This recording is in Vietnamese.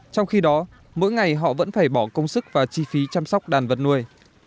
trong khi đó mỗi ngày họ vẫn phải bỏ công sức và chi phí chăm sóc đàn vật nuôi